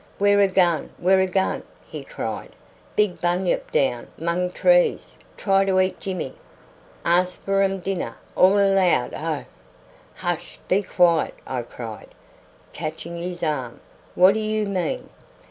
"Where a gun, where a gun?" he cried. "Big bunyip down 'mong a trees, try to eat Jimmy. Ask for um dinner, all aloud, oh." "Hush! be quiet!" I cried, catching his arm; "what do you mean?"